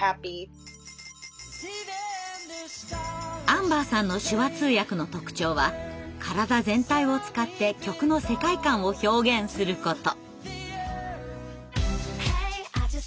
アンバーさんの手話通訳の特徴は体全体を使って曲の世界観を表現すること。